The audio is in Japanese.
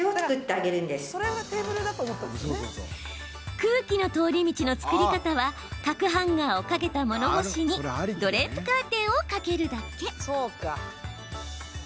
空気の通り道の作り方は角ハンガーを掛けた物干しにドレープカーテンを掛けるだけ。